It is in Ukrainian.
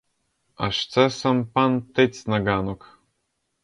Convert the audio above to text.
Аж це сам пан тиць на ґанок.